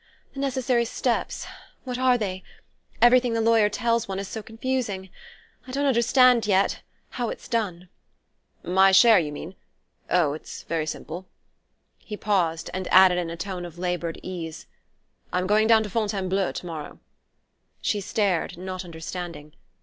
"The necessary steps: what are they? Everything the lawyers tell one is so confusing.... I don't yet understand how it's done." "My share, you mean? Oh, it's very simple." He paused, and added in a tone of laboured ease: "I'm going down to Fontainebleau to morrow " She stared, not understanding.